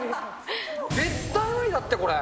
絶対無理だって、これ。